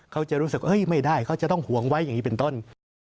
เขาจะรู้สึกไม่ได้เขาจะต้องห่วงไว้อย่างนี้เป็นต้น